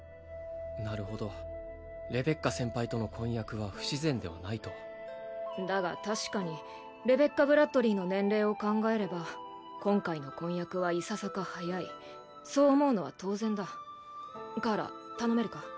なるほどレベッカ先輩との婚約は不自然ではないとだが確かにレベッカ＝ブラッドリィの年齢を考えれば今回の婚約はいささか早いそう思うのは当然だカーラ頼めるか？